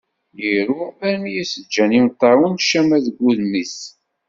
Iru armi i as-ǧǧan yimeṭṭawen ccama deg udem-is.